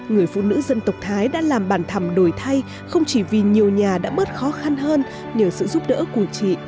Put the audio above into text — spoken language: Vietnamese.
người phụ nữ dân tộc thái đã làm bản thầm đổi thay không chỉ vì nhiều nhà đã bớt khó khăn hơn nhờ sự giúp đỡ của chị